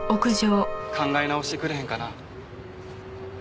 考え直してくれへんかな？